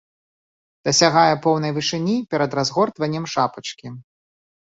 Дасягае поўнай вышыні перад разгортваннем шапачкі.